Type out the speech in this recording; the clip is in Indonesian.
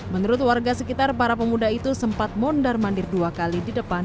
menurut warga sekitar para pemuda itu sempat mondar mandir dua kali di depan